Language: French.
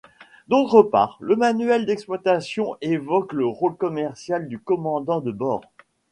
D’autre part, le manuel d’exploitation évoque le rôle commercial du commandant de bord.